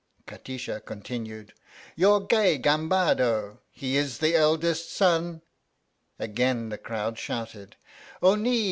Kati sha continued: your gay gambad He is the eldest son Again the crowd shouted : O ni!